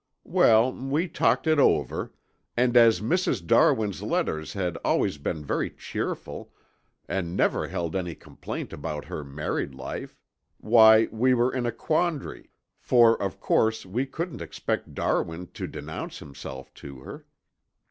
"Well, we talked it over, and as Mrs. Darwin's letters had always been very cheerful and never held any complaint about her married life, why, we were in a quandary, for, of course, we couldn't expect Darwin to denounce himself to her.